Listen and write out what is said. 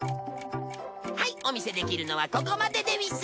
はいお見せできるのはここまででうぃす！